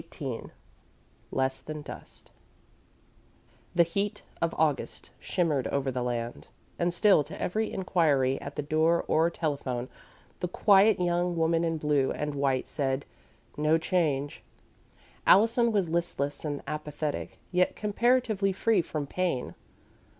XVIII "LESS THAN THE DUST" The heat of August shimmered over the land, and still, to every inquiry at the door or telephone, the quiet young woman in blue and white said: "No change." Allison was listless and apathetic, yet comparatively free from pain.